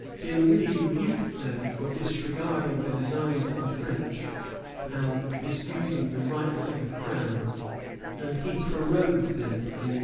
Dinwiddie rebuked them for "disregarding the designs of the French, and disputing the rights of the Crown"; and he "prorogued them in some anger."